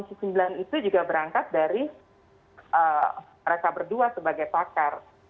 nah justru pendapat komisi ix itu juga berangkat dari mereka berdua sebagai pakar